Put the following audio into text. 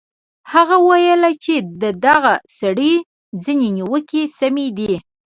هغه ویل چې د دغه سړي ځینې نیوکې سمې دي.